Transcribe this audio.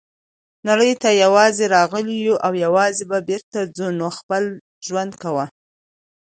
نړۍ ته یوازي راغلي یوو او یوازي به بیرته ځو نو خپل ژوند کوه.